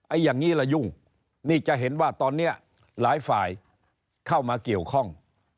อย่างนี้ละยุ่งนี่จะเห็นว่าตอนนี้หลายฝ่ายเข้ามาเกี่ยวข้อง